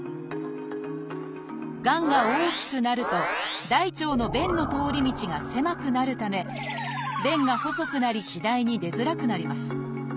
がんが大きくなると大腸の便の通り道が狭くなるため便が細くなり次第に出づらくなります。